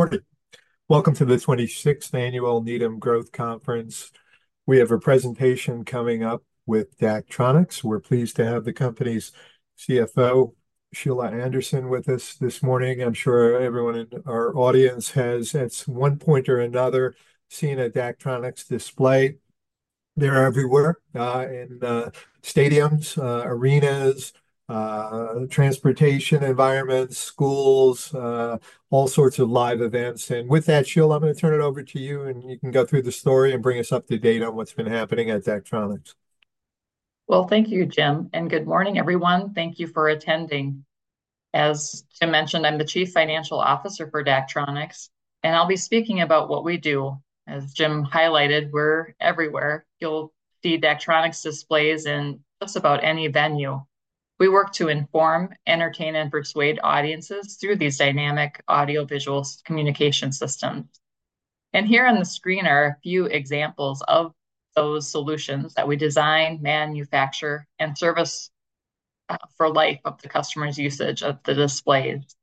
Morning! Welcome to the 26th Annual Needham Growth Conference. We have a presentation coming up with Daktronics. We're pleased to have the company's CFO, Sheila Anderson, with us this morning. I'm sure everyone in our audience has, at one point or another, seen a Daktronics display. They're everywhere, in stadiums, arenas, transportation environments, schools, all sorts of live events. And with that, Sheila, I'm going to turn it over to you, and you can go through the story and bring us up to date on what's been happening at Daktronics. Well, thank you, Jim, and good morning, everyone. Thank you for attending. As Jim mentioned, I'm the Chief Financial Officer for Daktronics, and I'll be speaking about what we do. As Jim highlighted, we're everywhere. You'll see Daktronics displays in just about any venue. We work to inform, entertain, and persuade audiences through these dynamic audiovisual communication systems. Here on the screen are a few examples of those solutions that we design, manufacture, and service for life of the customer's usage of the displays.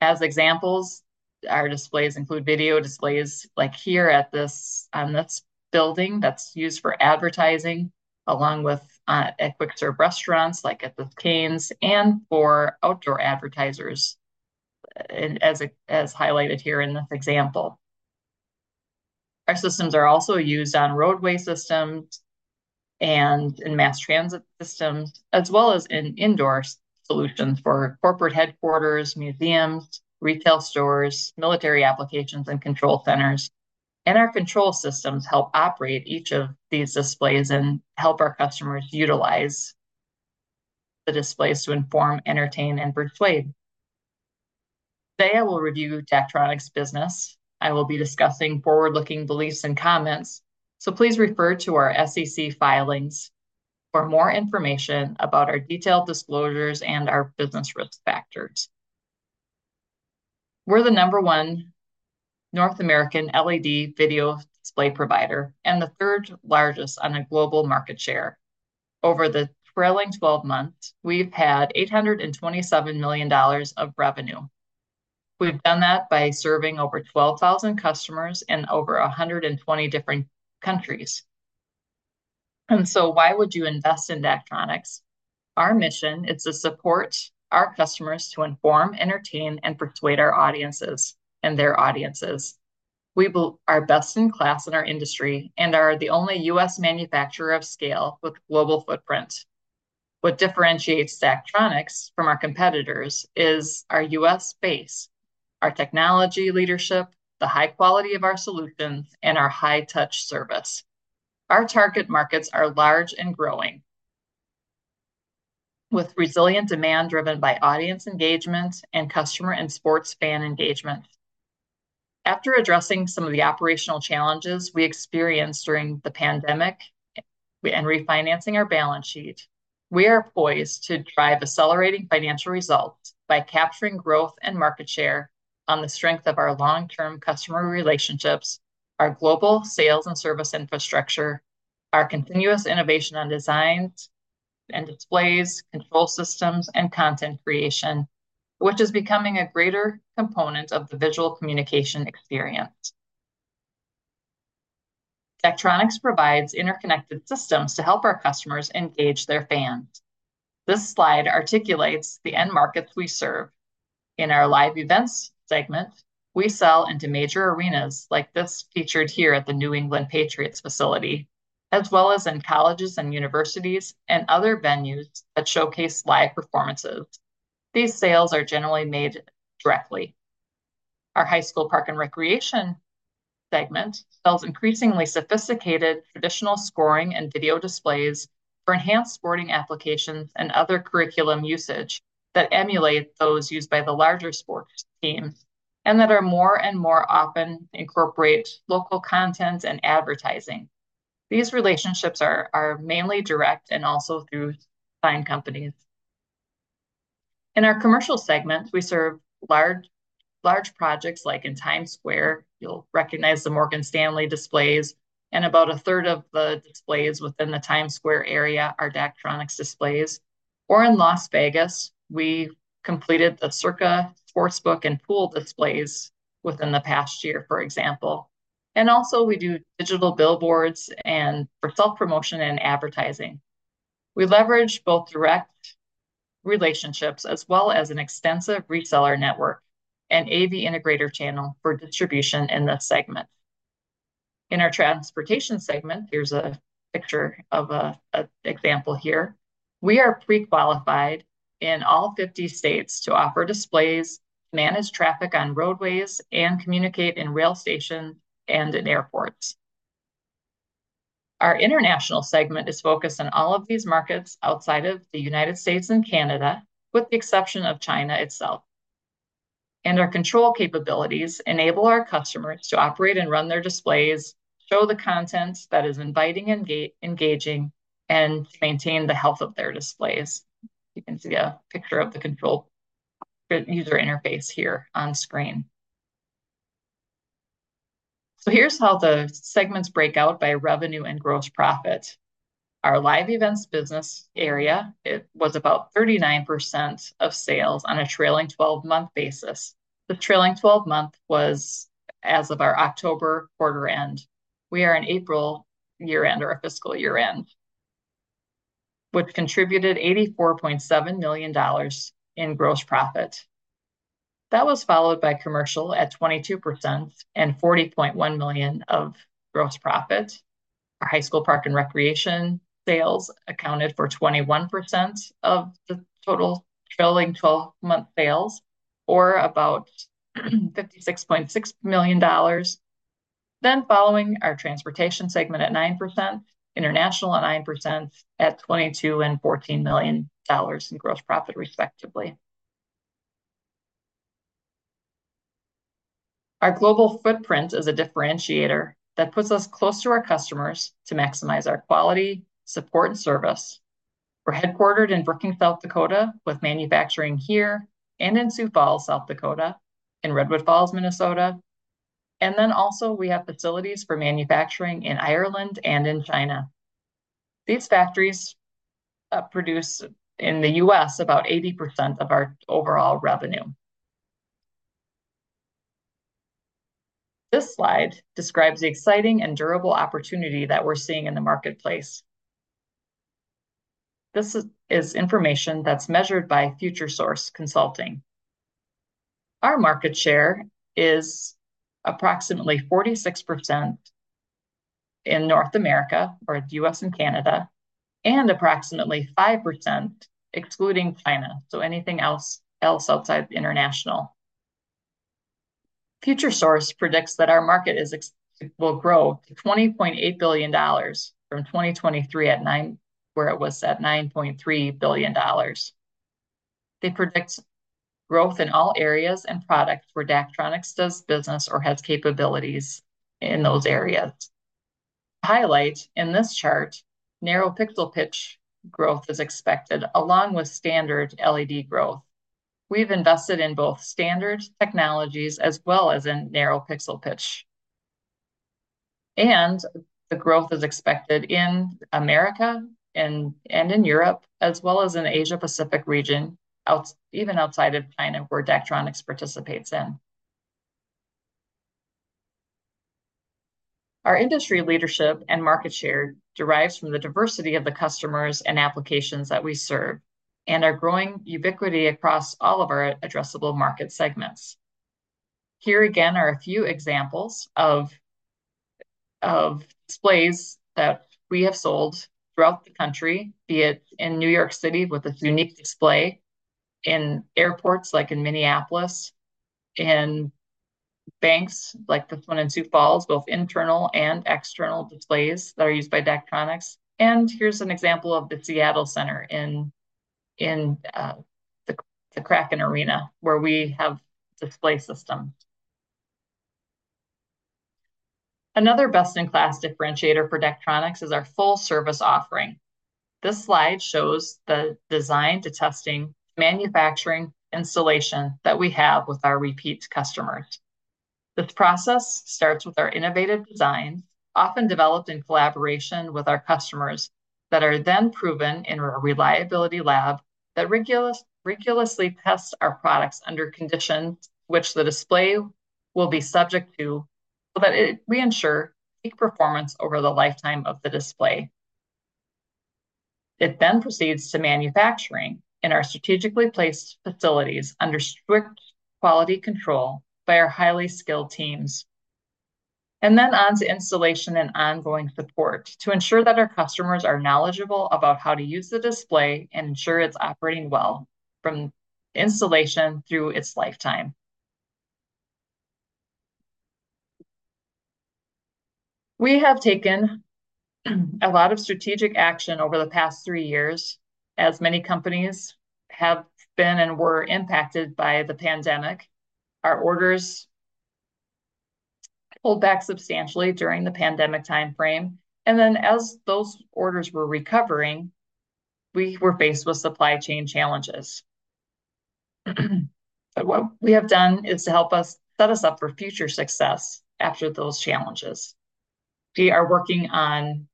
As examples, our displays include video displays, like here at this, on this building that's used for advertising, along with at quick-serve restaurants, like at the Cane's, and for outdoor advertisers, and as highlighted here in this example. Our systems are also used on roadway systems and in mass transit systems, as well as in indoor solutions for corporate headquarters, museums, retail stores, military applications, and control centers. And our control systems help operate each of these displays and help our customers utilize the displays to inform, entertain, and persuade. Today, I will review Daktronics' business. I will be discussing forward-looking beliefs and comments, so please refer to our SEC filings for more information about our detailed disclosures and our business risk factors. We're the number one North American LED video display provider and the third largest on a global market share. Over the trailing 12 months, we've had $827 million of revenue. We've done that by serving over 12,000 customers in over 120 different countries. And so why would you invest in Daktronics? Our mission is to support our customers to inform, entertain, and persuade our audiences and their audiences. We are best in class in our industry and are the only U.S. manufacturer of scale with global footprint. What differentiates Daktronics from our competitors is our U.S. base, our technology leadership, the high quality of our solutions, and our high touch service. Our target markets are large and growing, with resilient demand driven by audience engagement and customer and sports fan engagement. After addressing some of the operational challenges we experienced during the pandemic, and refinancing our balance sheet, we are poised to drive accelerating financial results by capturing growth and market share on the strength of our long-term customer relationships, our global sales and service infrastructure, our continuous innovation on designs and displays, control systems, and content creation, which is becoming a greater component of the visual communication experience. Daktronics provides interconnected systems to help our customers engage their fans. This slide articulates the end markets we serve. In our Live Events segment, we sell into major arenas like this, featured here at the New England Patriots facility, as well as in colleges and universities and other venues that showcase live performances. These sales are generally made directly. Our High School Park and Recreation segment sells increasingly sophisticated traditional scoring and video displays for enhanced sporting applications and other curriculum usage that emulate those used by the larger sports teams and that are more and more often incorporate local content and advertising. These relationships are mainly direct and also through sign companies. In our commercial segment, we serve large projects, like in Times Square. You'll recognize the Morgan Stanley displays, and about a third of the displays within the Times Square area are Daktronics displays. Or in Las Vegas, we completed the Circa sportsbook and pool displays within the past year, for example. And also, we do digital billboards and for self-promotion and advertising. We leverage both direct relationships as well as an extensive reseller network and AV integrator channel for distribution in this segment. In our Transportation segment, here's a picture of an example here. We are pre-qualified in all 50 states to offer displays, manage traffic on roadways, and communicate in rail stations and in airports. Our international segment is focused on all of these markets outside of the United States and Canada, with the exception of China itself. And our control capabilities enable our customers to operate and run their displays, show the content that is inviting, engaging, and maintain the health of their displays. You can see a picture of the control, the user interface here on screen. Here's how the segments break out by revenue and gross profit. Our live events business area, it was about 39% of sales on a trailing 12-month basis. The trailing 12-month was as of our October quarter end. We are in April year-end or our fiscal year end, which contributed $84.7 million in gross profit. That was followed by commercial at 22% and $40.1 million of gross profit. Our high school park and recreation sales accounted for 21% of the total trailing 12-month sales, or about $56.6 million. Then following, our transportation segment at 9%, international at 9%, at $22 million and $14 million in gross profit, respectively. Our global footprint is a differentiator that puts us close to our customers to maximize our quality, support, and service. We're headquartered in Brookings, South Dakota, with manufacturing here and in Sioux Falls, South Dakota, in Redwood Falls, Minnesota, and then also we have facilities for manufacturing in Ireland and in China. These factories produce in the U.S. about 80% of our overall revenue. This slide describes the exciting and durable opportunity that we're seeing in the marketplace. This is information that's measured by Futuresource Consulting. Our market share is approximately 46% in North America, or the U.S. and Canada, and approximately 5% excluding China, so anything else outside international. Futuresource predicts that our market will grow to $20.8 billion from 2023 at nine-- where it was at $9.3 billion. They predict growth in all areas and products where Daktronics does business or has capabilities in those areas. Highlight in this chart, narrow pixel pitch growth is expected, along with standard LED growth. We've invested in both standard technologies as well as in narrow pixel pitch, and the growth is expected in America and, and in Europe, as well as in Asia Pacific region, even outside of China, where Daktronics participates in. Our industry leadership and market share derives from the diversity of the customers and applications that we serve, and our growing ubiquity across all of our addressable market segments. Here again are a few examples of, of displays that we have sold throughout the country, be it in New York City with a unique display, in airports like in Minneapolis, in banks like this one in Sioux Falls, both internal and external displays that are used by Daktronics. Here's an example of the Seattle Center in the Kraken Arena, where we have display system. Another best-in-class differentiator for Daktronics is our full service offering. This slide shows the design to testing, manufacturing, installation that we have with our repeat customers. This process starts with our innovative design, often developed in collaboration with our customers, that are then proven in our reliability lab that rigorously tests our products under conditions which the display will be subject to, so that we ensure peak performance over the lifetime of the display. It then proceeds to manufacturing in our strategically placed facilities under strict quality control by our highly skilled teams, and then on to installation and ongoing support to ensure that our customers are knowledgeable about how to use the display and ensure it's operating well from installation through its lifetime. We have taken a lot of strategic action over the past three years, as many companies have been and were impacted by the pandemic. Our orders pulled back substantially during the pandemic timeframe, and then as those orders were recovering, we were faced with supply chain challenges. But what we have done is to help set us up for future success after those challenges. We are working on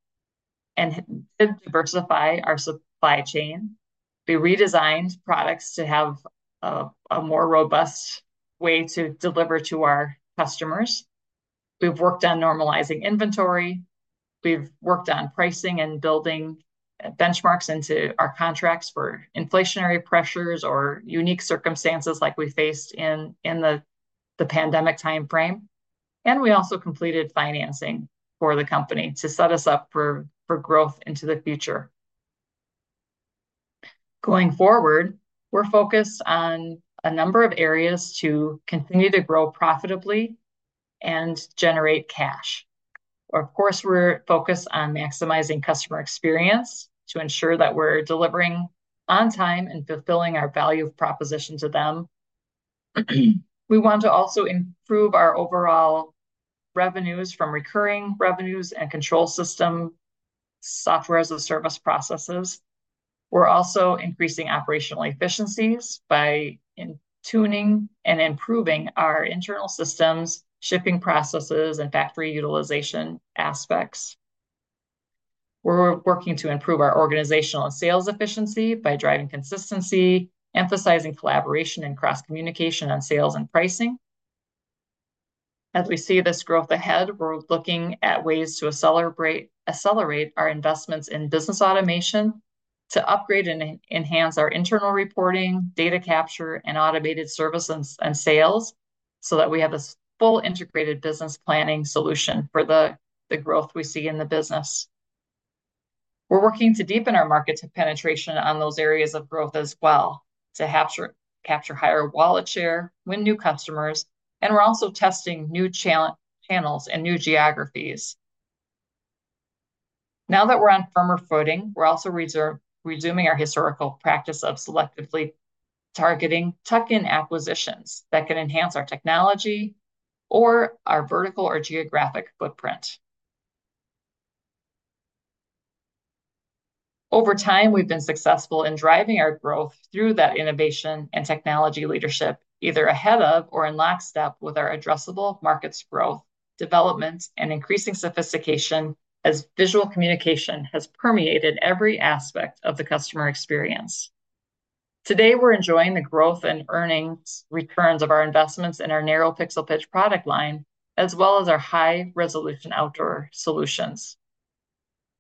to diversify our supply chain. We redesigned products to have a more robust way to deliver to our customers. We've worked on normalizing inventory, we've worked on pricing and building benchmarks into our contracts for inflationary pressures or unique circumstances like we faced in the pandemic timeframe, and we also completed financing for the company to set us up for growth into the future. Going forward, we're focused on a number of areas to continue to grow profitably and generate cash. Of course, we're focused on maximizing customer experience to ensure that we're delivering on time and fulfilling our value proposition to them. We want to also improve our overall revenues from recurring revenues and control system software as a service processes. We're also increasing operational efficiencies by fine-tuning and improving our internal systems, shipping processes, and factory utilization aspects. We're working to improve our organizational and sales efficiency by driving consistency, emphasizing collaboration and cross-communication on sales and pricing. As we see this growth ahead, we're looking at ways to accelerate our investments in business automation to upgrade and enhance our internal reporting, data capture, and automated service and sales, so that we have a full integrated business planning solution for the growth we see in the business. We're working to deepen our market penetration on those areas of growth as well, to capture higher wallet share, win new customers, and we're also testing new channels and new geographies. Now that we're on firmer footing, we're also resuming our historical practice of selectively targeting tuck-in acquisitions that can enhance our technology or our vertical or geographic footprint. Over time, we've been successful in driving our growth through that innovation and technology leadership, either ahead of or in lockstep with our addressable markets growth, development, and increasing sophistication, as visual communication has permeated every aspect of the customer experience. Today, we're enjoying the growth and earnings returns of our investments in our narrow pixel pitch product line, as well as our high-resolution outdoor solutions.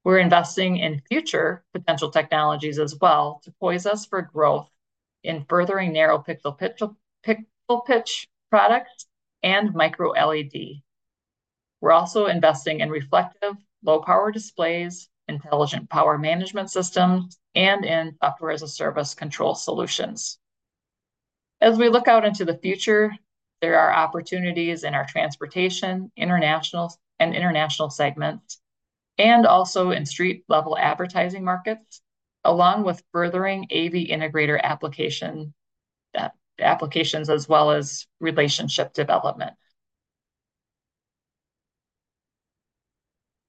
We're investing in future potential technologies as well, to poise us for growth in furthering narrow pixel pitch products and Micro LED. We're also investing in reflective, low-power displays, intelligent power management systems, and in software-as-a-service control solutions. As we look out into the future, there are opportunities in our transportation, international segments, and also in street-level advertising markets, along with furthering AV integrator applications as well as relationship development.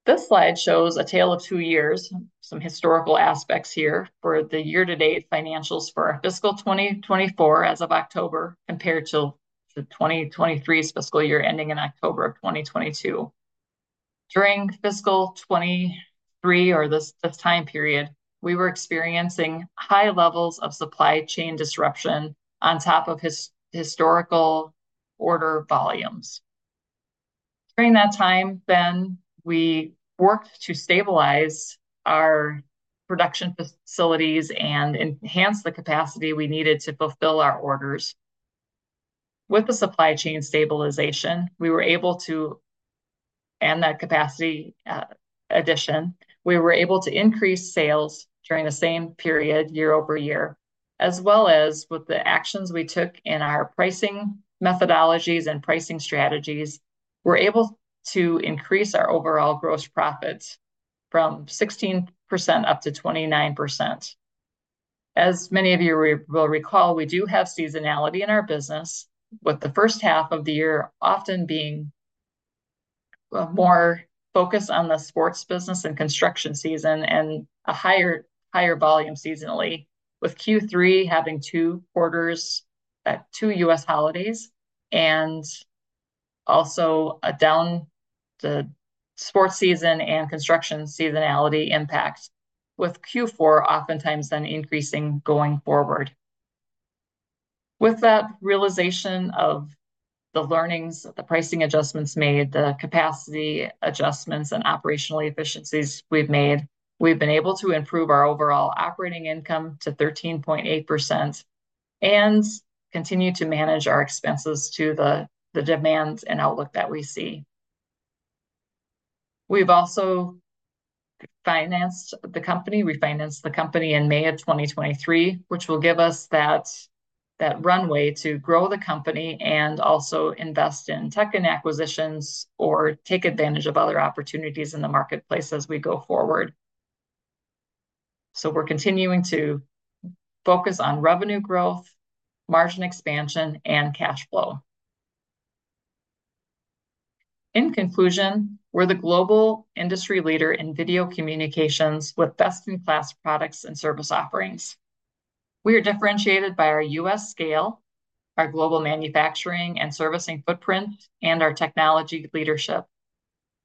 This slide shows a tale of two years, some historical aspects here for the year-to-date financials for our fiscal 2024 as of October, compared to the 2023's fiscal year, ending in October of 2022. During fiscal 2023, or this time period, we were experiencing high levels of supply chain disruption on top of historical order volumes. During that time, then, we worked to stabilize our production facilities and enhance the capacity we needed to fulfill our orders. With the supply chain stabilization, and that capacity addition, we were able to increase sales during the same period, year-over-year, as well as with the actions we took in our pricing methodologies and pricing strategies, we're able to increase our overall gross profits from 16% up to 29%. As many of you will recall, we do have seasonality in our business, with the first half of the year often being more focused on the sports business and construction season, and a higher, higher volume seasonally, with Q3 having two quarters, two U.S. holidays, and also a down the sports season and construction seasonality impact, with Q4 oftentimes then increasing going forward. With that realization of the learnings, the pricing adjustments made, the capacity adjustments, and operational efficiencies we've made, we've been able to improve our overall operating income to 13.8% and continue to manage our expenses to the demands and outlook that we see. We've also financed the company. We financed the company in May of 2023, which will give us that runway to grow the company and also invest in tech and acquisitions, or take advantage of other opportunities in the marketplace as we go forward. So we're continuing to focus on revenue growth, margin expansion, and cash flow. In conclusion, we're the global industry leader in video communications with best-in-class products and service offerings. We are differentiated by our U.S. scale, our global manufacturing and servicing footprint, and our technology leadership.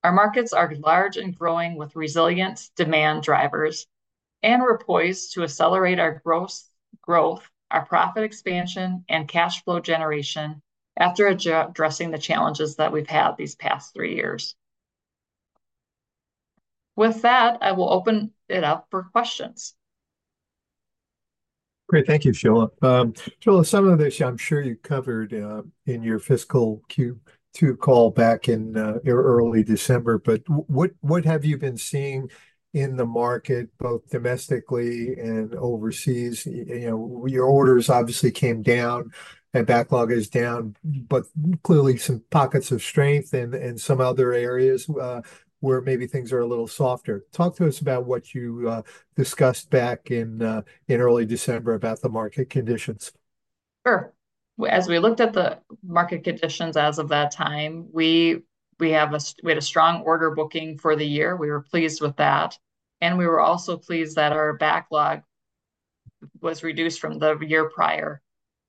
Our markets are large and growing with resilient demand drivers, and we're poised to accelerate our gross growth, our profit expansion, and cash flow generation after addressing the challenges that we've had these past three years. With that, I will open it up for questions. Great. Thank you, Sheila. Sheila, some of this I'm sure you covered in your fiscal Q2 call back in early December, but what have you been seeing in the market, both domestically and overseas? You know, your orders obviously came down and backlog is down, but clearly some pockets of strength and some other areas where maybe things are a little softer. Talk to us about what you discussed back in early December about the market conditions.... Sure. Well, as we looked at the market conditions as of that time, we had a strong order booking for the year. We were pleased with that, and we were also pleased that our backlog was reduced from the year prior.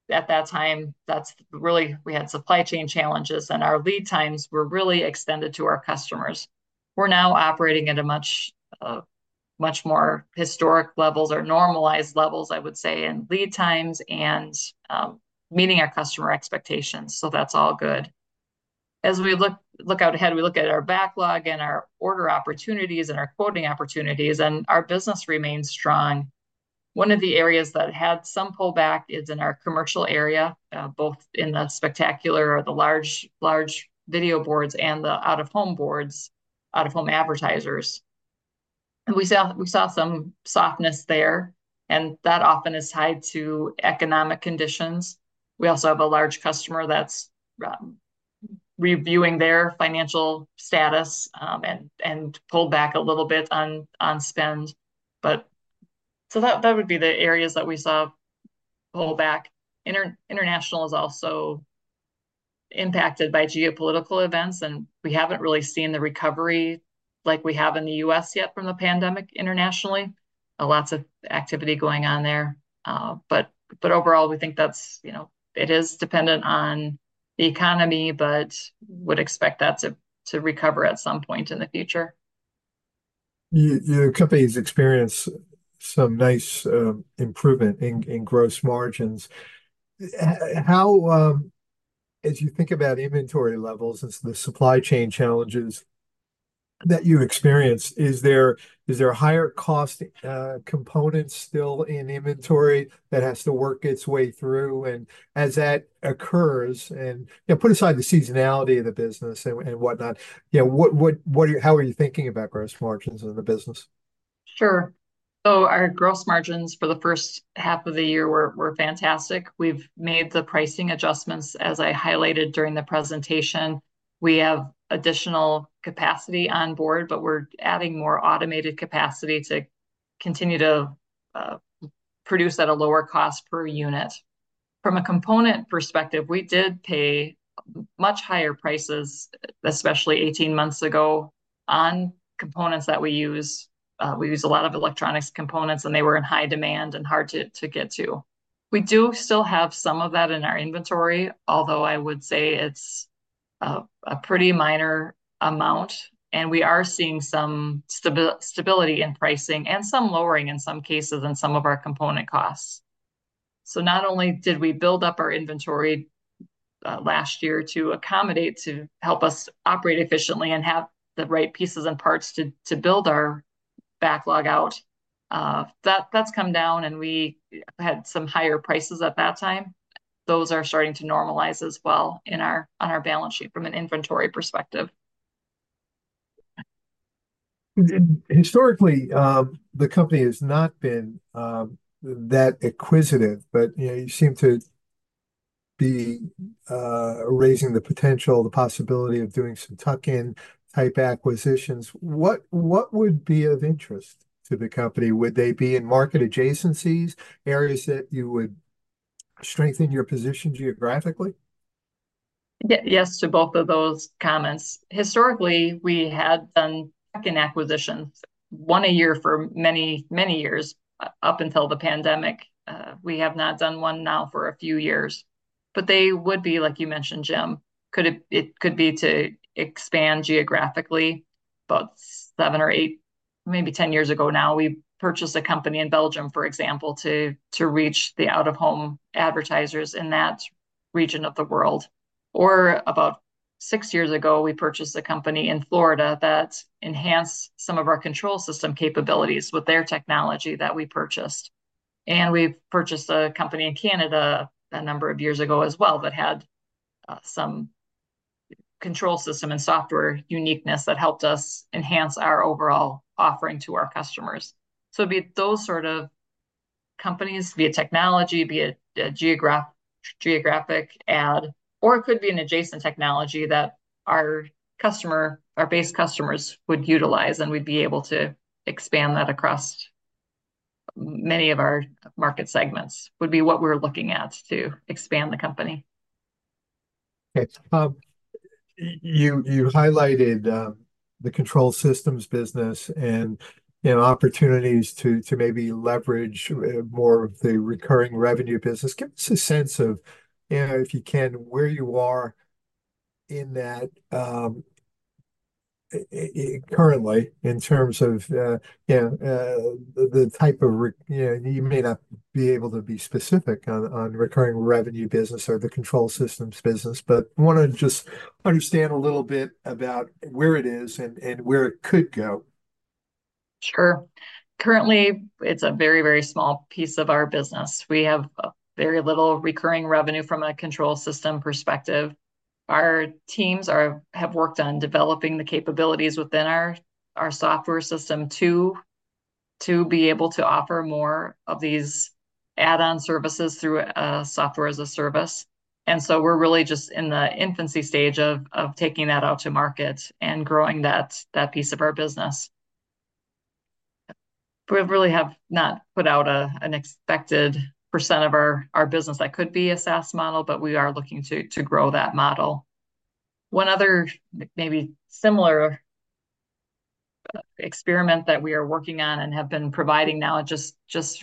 At that time, that's really. We had supply chain challenges, and our lead times were really extended to our customers. We're now operating at a much, much more historic levels or normalized levels, I would say, in lead times and meeting our customer expectations, so that's all good. As we look out ahead, we look at our backlog and our order opportunities and our quoting opportunities, and our business remains strong. One of the areas that had some pullback is in our commercial area, both in the spectacular or the large, large video boards and the out-of-home boards, out-of-home advertisers. And we saw, we saw some softness there, and that often is tied to economic conditions. We also have a large customer that's reviewing their financial status, and pulled back a little bit on spend. But so that would be the areas that we saw pullback. International is also impacted by geopolitical events, and we haven't really seen the recovery like we have in the U.S. yet from the pandemic internationally. Lots of activity going on there. But overall, we think that's, you know... It is dependent on the economy, but would expect that to recover at some point in the future. Your company experienced some nice improvement in gross margins. How, as you think about inventory levels and the supply chain challenges that you've experienced, is there a higher cost component still in inventory that has to work its way through? And as that occurs, you know, put aside the seasonality of the business and whatnot, you know, what—how are you thinking about gross margins in the business? Sure. So our gross margins for the first half of the year were fantastic. We've made the pricing adjustments, as I highlighted during the presentation. We have additional capacity on board, but we're adding more automated capacity to continue to produce at a lower cost per unit. From a component perspective, we did pay much higher prices, especially 18 months ago, on components that we use. We use a lot of electronics components, and they were in high demand and hard to get to. We do still have some of that in our inventory, although I would say it's a pretty minor amount, and we are seeing some stability in pricing and some lowering, in some cases, in some of our component costs. So not only did we build up our inventory last year to accommodate, to help us operate efficiently and have the right pieces and parts to build our backlog out, that's come down, and we had some higher prices at that time. Those are starting to normalize as well on our balance sheet from an inventory perspective. Historically, the company has not been that acquisitive, but, you know, you seem to be raising the potential, the possibility of doing some tuck-in type acquisitions. What would be of interest to the company? Would they be in market adjacencies, areas that you would strengthen your position geographically? Yes, to both of those comments. Historically, we had done tuck-in acquisitions, one a year for many, many years, up until the pandemic. We have not done one now for a few years. But they would be, like you mentioned, Jim, it could be to expand geographically. About seven or eight, maybe 10 years ago now, we purchased a company in Belgium, for example, to reach the out-of-home advertisers in that region of the world. Or about six years ago, we purchased a company in Florida that enhanced some of our control system capabilities with their technology that we purchased. And we've purchased a company in Canada a number of years ago as well, that had some control system and software uniqueness that helped us enhance our overall offering to our customers. So it'd be those sort of companies via technology, be it a geographic ad, or it could be an adjacent technology that our customer, our base customers would utilize, and we'd be able to expand that across many of our market segments, would be what we're looking at to expand the company. Okay. You highlighted the control systems business and, you know, opportunities to maybe leverage more of the recurring revenue business. Give us a sense of, you know, if you can, where you are in that currently, in terms of, you know. You know, you may not be able to be specific on recurring revenue business or the control systems business, but I wanna just understand a little bit about where it is and where it could go. Sure. Currently, it's a very, very small piece of our business. We have very little recurring revenue from a control system perspective. Our teams have worked on developing the capabilities within our software system to be able to offer more of these add-on services through software as a service. And so we're really just in the infancy stage of taking that out to market and growing that piece of our business. We really have not put out an expected percent of our business that could be a SaaS model, but we are looking to grow that model. One other maybe similar experiment that we are working on and have been providing now, just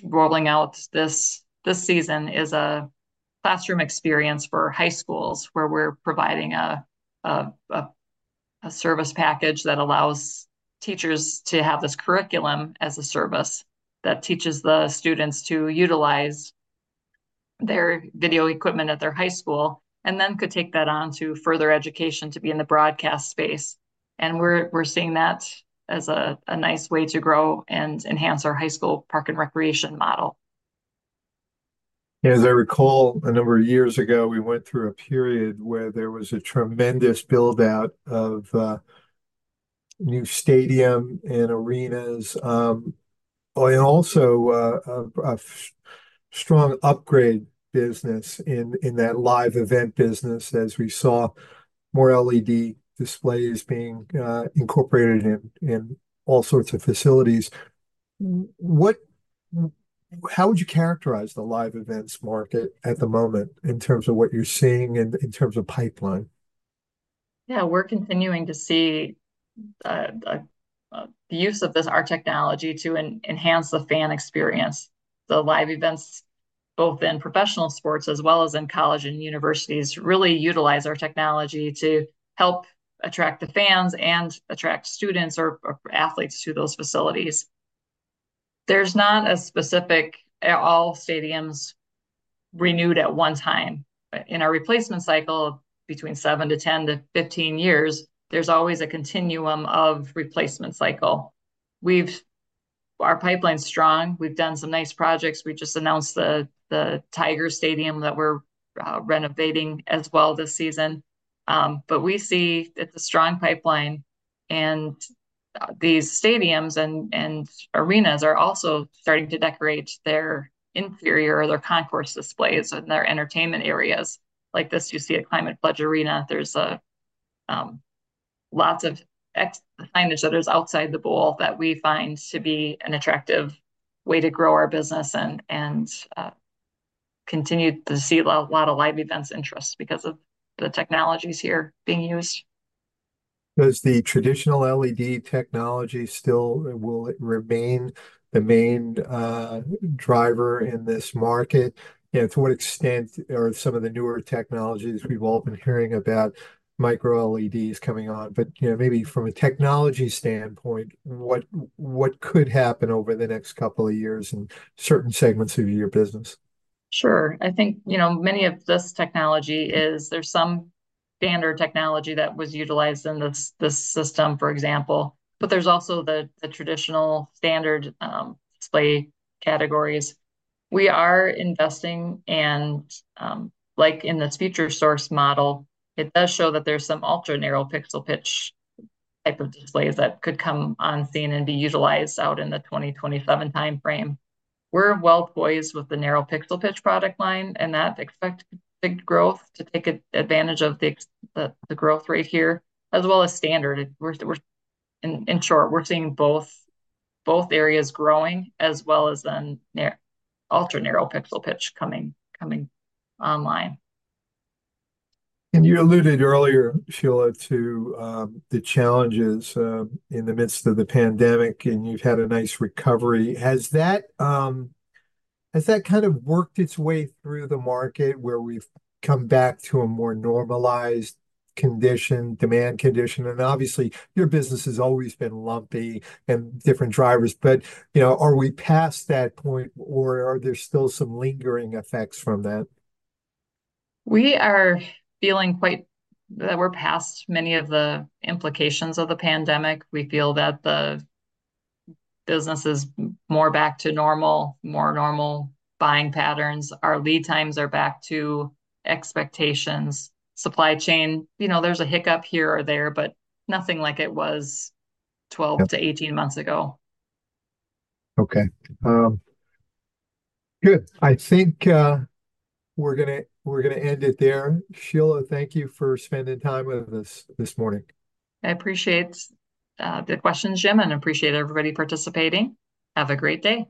rolling out this season, is a classroom experience for high schools, where we're providing a service package that allows teachers to have this curriculum as a service, that teaches the students to utilize their video equipment at their high school, and then could take that on to further education to be in the broadcast space. And we're seeing that as a nice way to grow and enhance our high school park and recreation model. As I recall, a number of years ago, we went through a period where there was a tremendous build-out of new stadium and arenas, and also a strong upgrade business in that live event business, as we saw more LED displays being incorporated in all sorts of facilities. What... How would you characterize the live events market at the moment, in terms of what you're seeing and in terms of pipeline? Yeah, we're continuing to see the use of this, our technology, to enhance the fan experience. The live events, both in professional sports as well as in college and universities, really utilize our technology to help attract the fans and attract students or athletes to those facilities. There's not a specific all stadiums renewed at one time. In our replacement cycle, between seven to 10 to 15 years, there's always a continuum of replacement cycle. We've. Our pipeline's strong. We've done some nice projects. We just announced the Tiger Stadium that we're renovating as well this season. But we see that the strong pipeline and these stadiums and arenas are also starting to decorate their interior or their concourse displays and their entertainment areas. Like this, you see at Climate Pledge Arena, there's a lot of exterior signage that is outside the bowl, that we find to be an attractive way to grow our business and continue to see a lot of live events interest because of the technologies here being used. Does the traditional LED technology still will it remain the main driver in this market? And to what extent are some of the newer technologies, we've all been hearing about Micro LEDs coming on, but, you know, maybe from a technology standpoint, what could happen over the next couple of years in certain segments of your business? Sure. I think, you know, many of this technology is there's some standard technology that was utilized in this system, for example, but there's also the traditional standard display categories. We are investing, and like in this Futuresource model, it does show that there's some ultra-narrow pixel pitch type of displays that could come on scene and be utilized out in the 2027 timeframe. We're well poised with the narrow pixel pitch product line, and that expect big growth to take advantage of the growth rate here, as well as standard. We're... In short, we're seeing both areas growing as well as ultra-narrow pixel pitch coming online. And you alluded earlier, Sheila, to the challenges in the midst of the pandemic, and you've had a nice recovery. Has that kind of worked its way through the market, where we've come back to a more normalized condition, demand condition? And obviously, your business has always been lumpy and different drivers, but, you know, are we past that point, or are there still some lingering effects from that? We are feeling quite that we're past many of the implications of the pandemic. We feel that the business is more back to normal, more normal buying patterns. Our lead times are back to expectations. Supply chain, you know, there's a hiccup here or there, but nothing like it was-... 12-18 months ago. Okay. Good. I think, we're gonna end it there. Sheila, thank you for spending time with us this morning. I appreciate the questions, Jim, and appreciate everybody participating. Have a great day.